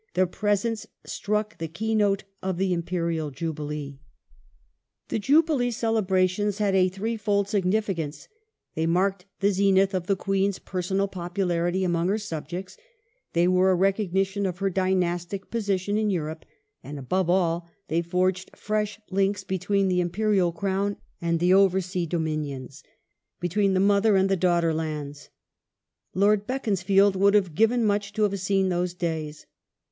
Their presence struck the keynote of the Imperial Jubilee. The The Jubilee celebrations had a threefold significance : they Jubilees marked the zenith of the Queen's personal populaiity among her subjects ; they were a recognition of her dynastic position in Europe ; and, above all, they forged fresh links between the Im perial Crown and the over sea Dominions, — between the mother and the daughter lands. Lord Beaconsfield would have given much to have seen those days.